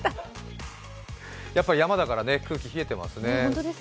やっぱり山だから空気が冷えていますね。